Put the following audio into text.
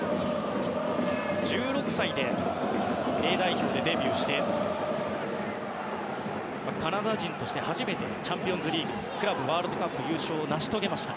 １６歳でＡ代表でデビューしてカナダ人として初めてチャンピオンズリーグクラブワールドカップ優勝を成し遂げました。